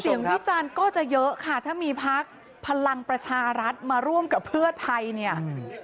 วิจารณ์ก็จะเยอะค่ะถ้ามีพักพลังประชารัฐมาร่วมกับเพื่อไทยเนี่ย